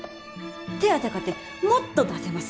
手当かてもっと出せます。